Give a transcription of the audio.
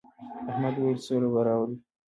احمد وويل: سوله به راولې.